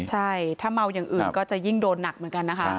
ใช่ถ้าเมาอย่างอื่นก็จะยิ่งโดนหนักเหมือนกันนะคะ